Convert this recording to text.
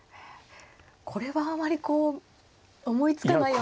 これはあまりこう思いつかないような一手ですか。